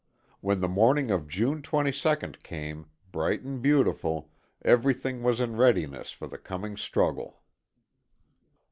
When the morning of June 22nd came, bright and beautiful, everything was in readiness for the coming struggle.